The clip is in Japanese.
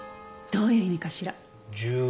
どういう意味かしら？